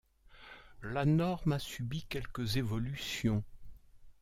La norme a subi quelques évolutions.